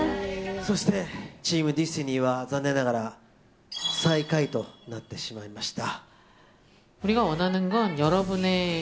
そして、チームデスティニーは、残念ながら最下位となってしまいました。